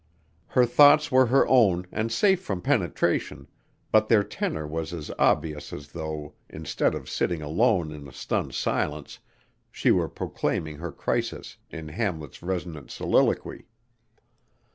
Her thoughts were her own and safe from penetration, but their tenor was as obvious as though, instead of sitting alone in a stunned silence, she were proclaiming her crisis in Hamlet's resonant soliloquy.